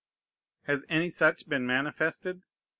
Has any such been manifested?